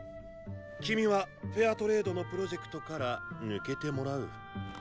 君はフェアトレードのプロジェクトから抜けてもらう。